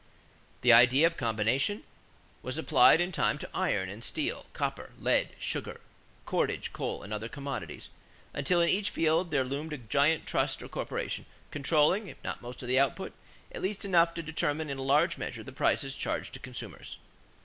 The idea of combination was applied in time to iron and steel, copper, lead, sugar, cordage, coal, and other commodities, until in each field there loomed a giant trust or corporation, controlling, if not most of the output, at least enough to determine in a large measure the prices charged to consumers.